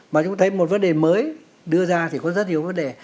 mà chúng ta thấy một vấn đề mới đưa ra thì có rất nhiều vấn đề